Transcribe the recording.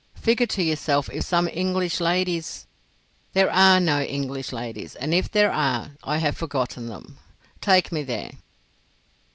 Figure to yourself if some English ladies——" "There are no English ladies; and if there are, I have forgotten them. Take me there."